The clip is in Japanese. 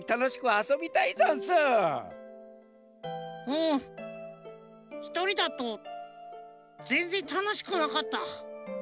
うんひとりだとぜんぜんたのしくなかった。